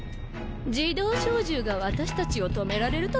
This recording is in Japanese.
自動小銃が私たちを止められるとでも？